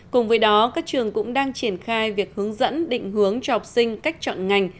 cùng với đó các trường cũng đang triển khai việc hướng dẫn định hướng cho học sinh cách chọn ngành